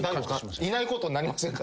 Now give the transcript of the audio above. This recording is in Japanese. いないことになりませんか？